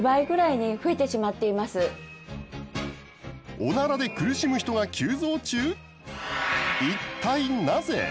オナラで苦しむ人が急増中？